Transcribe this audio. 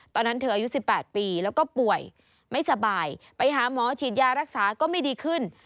ตอนนั้นเธออายุ๑๘ปีแล้วก็ป่วยไม่สบายไปหาหมอฉีดยารักษาก็ไม่ดีขึ้น